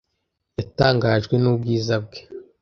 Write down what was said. Yatangajwe n'ubwiza bwe.